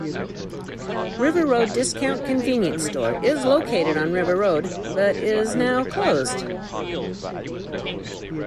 River Road Discount Convenience store is located on River Road but is now closed.